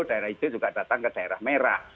daerah hijau juga datang ke daerah merah